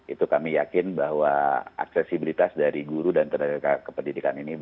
itu kami yakin bahwa aksesibilitas dari guru dan tenaga kependidikan ini